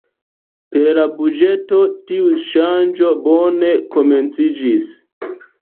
Per la buĝeto, tiu ŝanĝo bone komenciĝis.